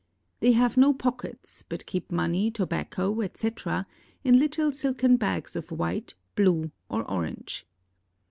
They have no pockets, but keep money, tobacco, etc., in little silken bags of white, blue, or orange.